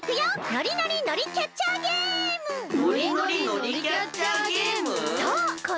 ノリノリ海苔キャッチャーゲームスタート！